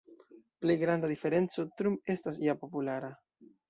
Plej granda diferenco: Trump estas ja populara.